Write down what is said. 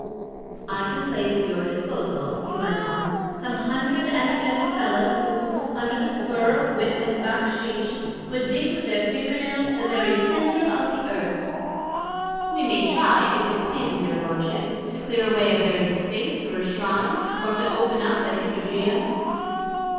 "I can place at your disposal," he went on, "some hundred energetic fellahs who, under the spur of whip and bakshîsh, would dig with their finger nails to the very centre of the earth. We may try, if it pleases your lordship, to clear away a buried sphinx or a shrine, or to open up a hypogeum."